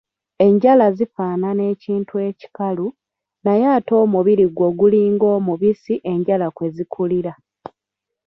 Enjala zifaanana ekintu ekikalu, naye ate omubiri gwo gulinga omubisi enjala kwe zikulira.